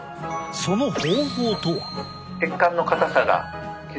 その方法とは。